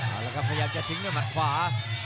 เอาละครับพยายามจะทิ้งด้วยหมัดขวา